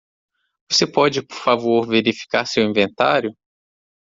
Você pode, por favor, verificar seu inventário?